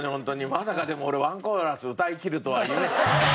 まさかでも俺ワンコーラス歌いきるとは。